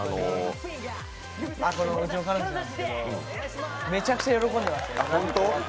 うちの金指なんですけどめちゃくちゃ喜んでました。